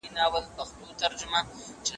د خلګو رايه تر نظامي ځواک زيات ارزښت لري.